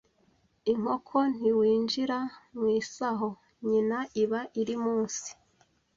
inkoko ntiwinjira mu isaho nyina iba iri munsi